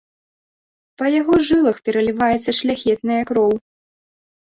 Па яго жылах пераліваецца шляхетная кроў.